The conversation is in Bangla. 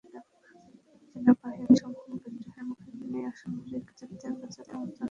সেনাবাহিনীর সম্ভাব্য বিদ্রোহের মুখে তিনি অসামরিক কর্তৃত্বের কাছে ক্ষমতা হস্তান্তরের সিদ্ধান্ত নেন।